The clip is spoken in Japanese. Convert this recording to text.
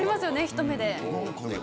ひと目で。